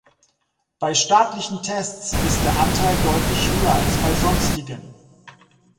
Bei staatlichen Tests ist der Anteil deutlich höher als bei sonstigen.